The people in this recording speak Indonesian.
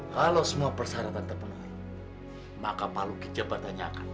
kalau semua persyaratan terpenuhi maka pak luki jabatannya akan